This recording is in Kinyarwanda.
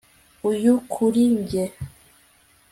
Uyu kuri njye